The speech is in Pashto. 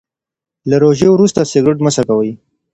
له روژې وروسته مه سګریټ څکوئ.